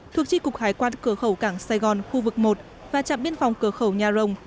thuộc tri cục hải quan cửa khẩu cảng sài gòn khu vực một và trạm biên phòng cửa khẩu nhà rồng